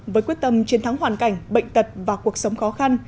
với quyết tâm chiến thắng hoàn cảnh bệnh tật và cuộc sống khó khăn